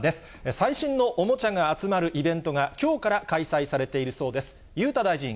最新のおもちゃが集まるイベントが、きょうから開催されているようです。